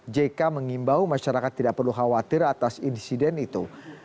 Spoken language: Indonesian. jk mengimbau masyarakat tidak perlu khawatir atas insiden itu